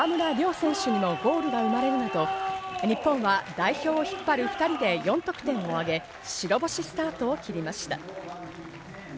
選手にもゴールが生まれるなど、日本は代表を引っ張る２人で４得点をあげ白星スタートを切りました。